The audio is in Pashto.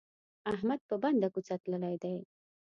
احمد په بنده کوڅه تللی دی.